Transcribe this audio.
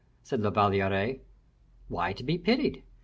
said La Valliere. "Why to be pitied?